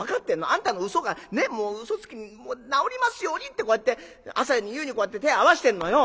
『あんたの嘘がねっ嘘つきなおりますように』ってこうやって朝に夕にこうやって手合わしてんのよ！